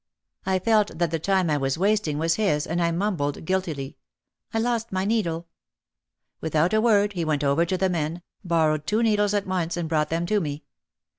I felt that the time I was wasting was his and I mumbled guiltily : "I lost my needle." Without a word he went over to the men, bor rowed two needles at once and brought them to me.